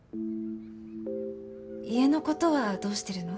家の事はどうしてるの？